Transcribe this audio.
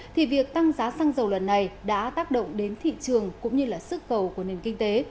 thì việc tăng giá xăng dầu lần này đã tác động đến thị trường cũng như là sức cầu của nền kinh tế